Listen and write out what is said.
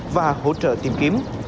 và hỗ trợ tìm kiếm